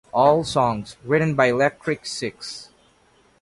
All songs written by Electric Six.